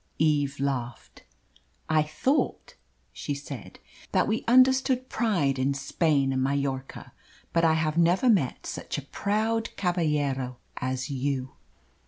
Eve laughed. "I thought," she said, "that we understood pride in Spain and Mallorca; but I have never met such a proud caballero as you."